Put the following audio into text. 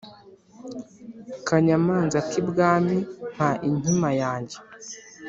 ‘kanyamanza k’ibwami mpa inkima yanjye